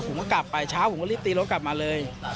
ผมก็กลับไปเช้าผมก็รีบตีรถกลับมาเลย